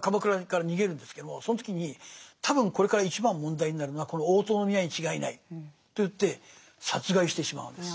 鎌倉から逃げるんですけどもその時に多分これから一番問題になるのはこの大塔宮に違いないと言って殺害してしまうんですよ